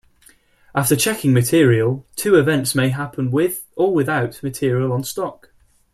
After checking material, two events may happen-with or without material on stock.